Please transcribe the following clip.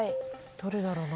どれだろうな。